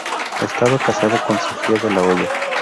Estaba casado con Sofía de la Hoya.